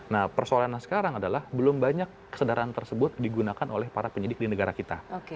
nah persoalannya sekarang adalah belum banyak kesadaran tersebut digunakan oleh para penyidik di negara kita